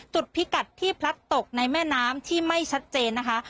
พิกัดที่พลัดตกในแม่น้ำที่ไม่ชัดเจนนะคะ